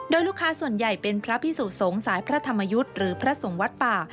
โดยลูกค้าส่วนใหญ่เป็นพระพิสุสงฆ์สายพระธรรมยุทธ์หรือพระสงฆ์วัดป่า